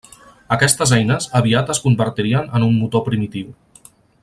Aquestes eines aviat es convertirien en un motor primitiu.